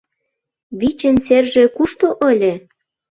Вичын серже кушто ыле?